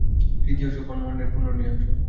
তৃতীয় সোপান মনের পূর্ণ নিয়ন্ত্রণ।